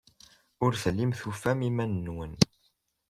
Ur tellim tufam iman-nwen.